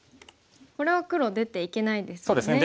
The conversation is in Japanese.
これは黒出ていけないですね。